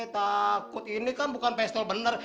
takut ini kan bukan pistol benar